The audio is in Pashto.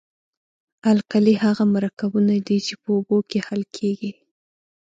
القلي هغه مرکبونه دي چې په اوبو کې حل کیږي.